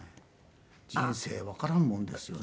人生わからんもんですよね。